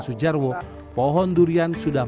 sujarwo pohon durian sudah